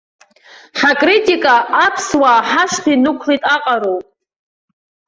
Ҳакритика аԥсуаа ҳашҭа инықәлеит аҟароуп.